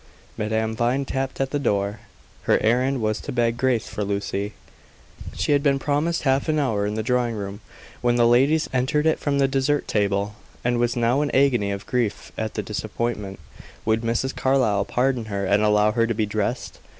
Madame Vine tapped at the door. Her errand was to beg grace for Lucy. She had been promised half an hour in the drawing room, when the ladies entered it from the dessert table, and was now in agony of grief at the disappointment. Would Mrs. Carlyle pardon her, and allow her to be dressed?